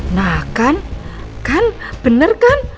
nah kan kan bener kan